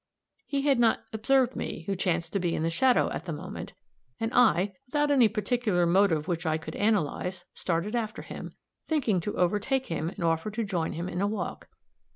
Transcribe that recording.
He had not observed me, who chanced to be in shadow at the moment; and I, without any particular motive which I could analyze, started after him, thinking to overtake him and offer to join him in a walk.